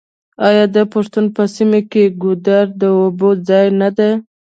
آیا د پښتنو په سیمو کې ګودر د اوبو ځای نه دی؟